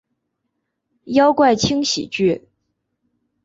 妖怪轻喜剧！